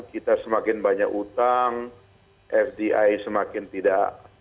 kita semakin banyak utang fdi semakin tidak